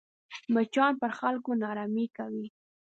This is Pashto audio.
مچان پر خلکو ناارامي کوي